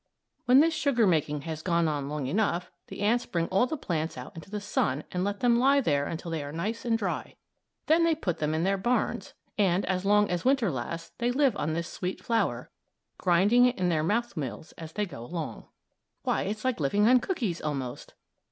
When this sugar making has gone on long enough the ants bring all the plants out into the sun and let them lie there until they are nice and dry. Then they put them in their barns, and as long as Winter lasts they live on this sweet flour, grinding it in their mouth mills as they go along. Why, it's like living on cookies, almost!